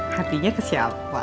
hatinya ke siapa